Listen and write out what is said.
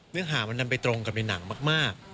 นึกหาปรักษฐานี้มันดันไปตรงกับในหนังมาก